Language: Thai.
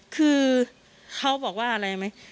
คือเขาบอกว่าอะไรไหม